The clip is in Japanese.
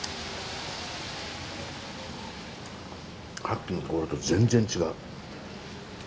さっきの所と全然違う。